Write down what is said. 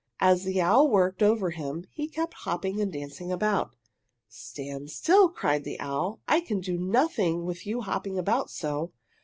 As the owl worked over him he kept hopping and dancing about. "Stand still!" cried the owl. "I can do nothing with you hopping about so.